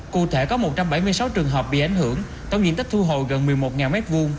cụ thể có một trăm bảy mươi sáu trường hợp bị ảnh hưởng tổng diện tích thu hồi gần một mươi một m hai